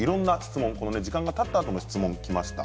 時間がたったあとの質問がきました。